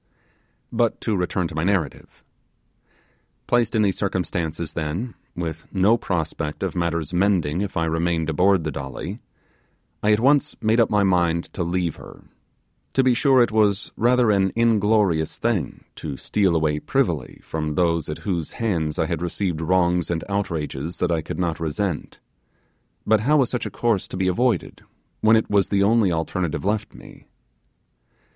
But to return to my narrative. Placed in these circumstances then, with no prospect of matters mending if I remained aboard the Dolly, I at once made up my mind to leave her: to be sure it was rather an inglorious thing to steal away privily from those at whose hands I had received wrongs and outrages that I could not resent; but how was such a course to be avoided when it was the only alternative left me?